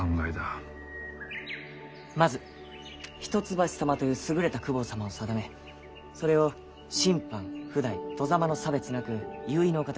まず一橋様という優れた公方様を定めそれを親藩譜代外様の差別なく有為のお方が支えます。